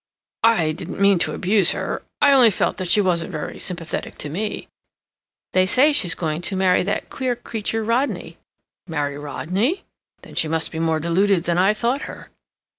'" "I didn't mean to abuse her. I only felt that she wasn't very sympathetic to me." "They say she's going to marry that queer creature Rodney." "Marry Rodney? Then she must be more deluded than I thought her."